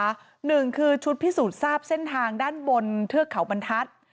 หนึ่งคือชุดพิสูจน์ทราบเส้นทางด้านบนเทือกเขาบรรทัศน์